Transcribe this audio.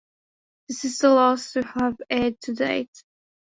This is the last to have aired to date.